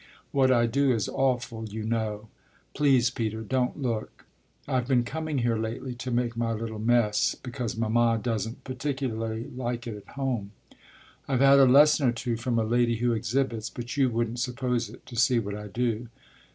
What I do is awful, you know. Please, Peter, don't look, I've been coming here lately to make my little mess, because mamma doesn't particularly like it at home. I've had a lesson or two from a lady who exhibits, but you wouldn't suppose it to see what I do.